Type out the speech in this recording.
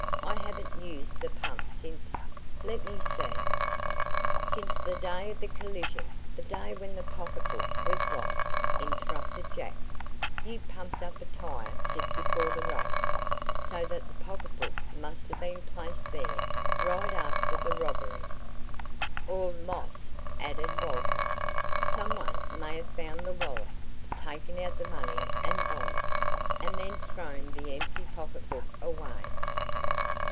"I haven't used the pump since let me see " "Since the day of the collision the day when the pocketbook was lost," interrupted jack. "You pumped up a tire just before the race, so that the pocketbook must have been placed there right after the robbery." "Or loss," added Walter. "Some one may have found the wallet, taken out the money and bonds, and then thrown the empty pocketbook away."